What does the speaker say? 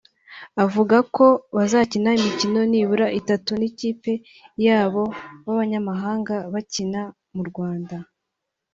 avuga ko bazakina imikino nibura itatu n’ikipe y’abo banyamahanga bakina mu Rwanda